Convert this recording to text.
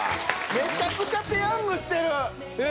めちゃくちゃペヤングしてる！